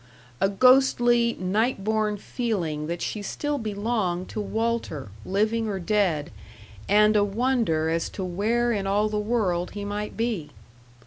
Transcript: A ghostly night born feeling that she still belonged to Walter, living or dead, and a wonder as to where in all the world he might be.